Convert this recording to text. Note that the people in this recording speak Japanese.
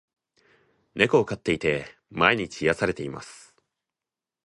猫を飼っていて、毎日癒されています。